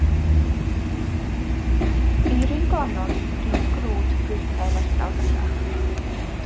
Eirin gwlanog yw prif gnwd ffrwythau'r ardal bellach.